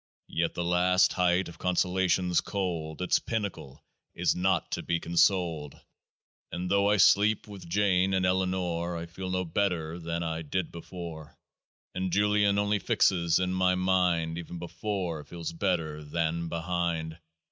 " Yet the last height of consolation's cold : Its pinnacle is — not to be consoled !" And though I sleep with Jane and Eleanor I feel no better than I did before, " And Julian only fixes in my mind Even before feels better than behind.